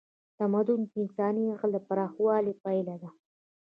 تمدن د انساني عقل د پراخوالي پایله ده.